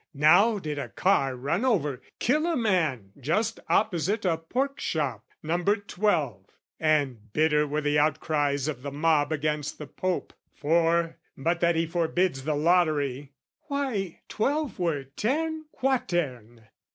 "Now did a car run over, kill a man, "Just opposite a pork shop numbered Twelve: "And bitter were the outcries of the mob "Against the Pope: for, but that he forbids "The Lottery, why, twelve were Tern Quatern!